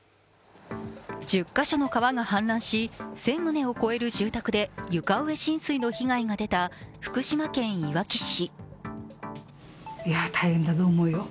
１０か所の川が氾濫し１０００棟を超える住宅で床上浸水の被害が出た福島県いわき市。